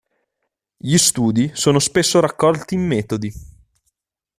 Gli studi sono spesso raccolti in metodi.